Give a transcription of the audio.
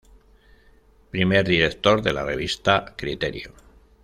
Primer director de la revista Criterio.